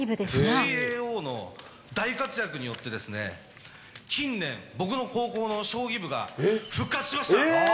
藤井叡王の大活躍によって、近年、僕の高校の将棋部が復活しました。